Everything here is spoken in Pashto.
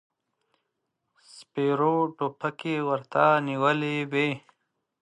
سپرو ټوپکې ورته نيولې وې.